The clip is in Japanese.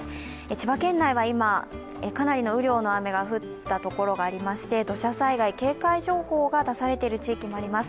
千葉県内は今、かなりの雨量が降ったところがありまして土砂災害警戒情報が出されている地域もあります。